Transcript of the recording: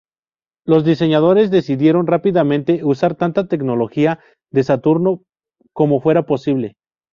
Los diseñadores decidieron rápidamente usar tanta tecnología del Saturno I como fuera posible.